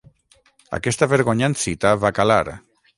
Aquesta vergonyant cita va calar.